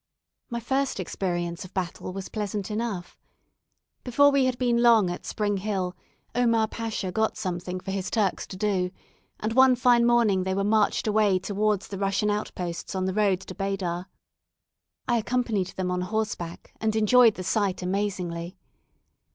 My first experience of battle was pleasant enough. Before we had been long at Spring Hill, Omar Pasha got something for his Turks to do, and one fine morning they were marched away towards the Russian outposts on the road to Baidar. I accompanied them on horseback, and enjoyed the sight amazingly.